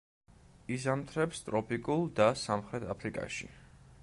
იზამთრებს ტროპიკულ და სამხრეთ აფრიკაში.